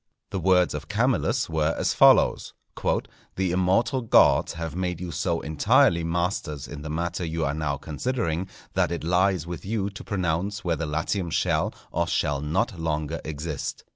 The words of Camillus were as follows: "The immortal gods have made you so entirely masters in the matter you are now considering, that _it lies with you to pronounce whether Latium shall or shall not longer exist.